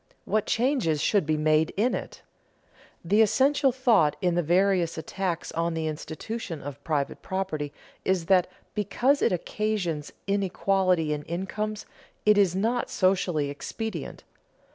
What changes should be made in it? The essential thought in the various attacks on the institution of private property is that, because it occasions inequality in incomes, it is not socially expedient.